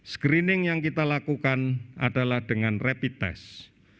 screening yang kita lakukan adalah dengan rapid test